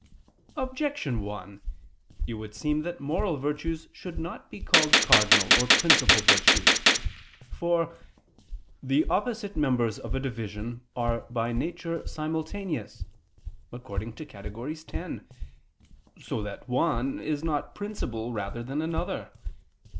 Objection 1: It would seem that moral virtues should not be called cardinal or principal virtues. For "the opposite members of a division are by nature simultaneous" (Categor. x), so that one is not principal rather than another.